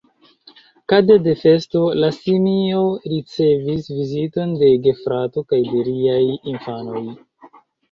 Kadre de festo, la simio ricevis viziton de gefrato kaj de riaj infanoj.